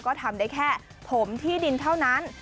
ก็ทำได้แค่ผมที่ดินเท่านั้น